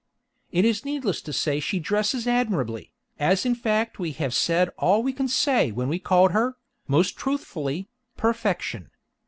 It is needless to say she dresses admirably, as in fact we have said all we can say when we called her, most truthfully, perfection.